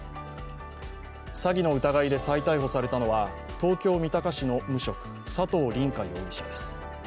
詐欺の疑いで再逮捕されたのは東京・三鷹市の無職、佐藤凛果容疑者です。